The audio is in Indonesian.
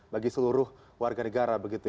bagi seluruh warga negara begitu ya